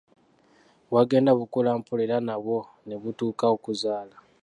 Bwagenda bukula mpola era nabwo ne butuuka okuzaala.